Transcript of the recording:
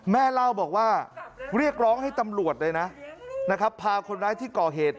แม่เล่าบอกว่าเรียกร้องให้ตำรวจเลยนะพาคนร้ายที่ก่อเหตุ